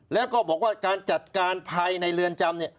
แล้วก็บอกว่าการจัดการภายในเรือนจำเนี่ย